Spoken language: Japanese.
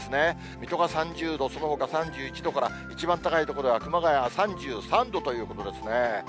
水戸が３０度、そのほか３１度から一番高い所は熊谷は３３度ということですね。